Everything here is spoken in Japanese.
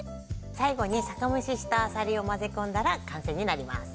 最後に酒蒸ししたアサリを混ぜ込んだら完成になります。